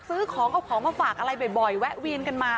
ซื้อของเอาของมาฝากอะไรบ่อยแวะเวียนกันมา